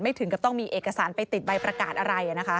ถึงกับต้องมีเอกสารไปติดใบประกาศอะไร